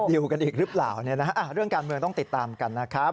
กันอีกหรือเปล่าเรื่องการเมืองต้องติดตามกันนะครับ